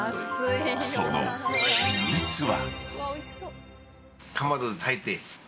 その秘密は。